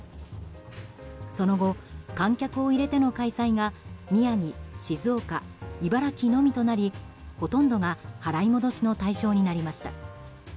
その後、観客を入れての開催が宮城、静岡、茨城のみとなりほとんどが払い戻しの対象になりました。